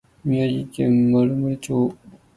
宮城県丸森町